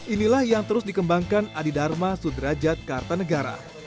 inilah yang terus dikembangkan adi dharma sudrajat kartanegara